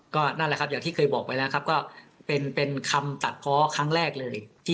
ก็นั่นแหละครับอย่างที่เคยบอกไปแล้วครับก็เป็นคำตัดเพาะครั้งแรกเลย